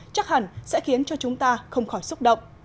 chắc hẳn sẽ khiến cho chúng ta không khỏi xúc động